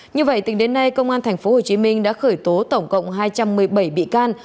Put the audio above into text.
như vậy tính đến nay công an tp hcm đã khởi tố tổng cộng hai trăm một mươi bảy bị can